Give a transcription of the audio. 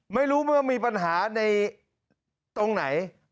ไม่รู้มันอะไรมีปัญหาตรงไหน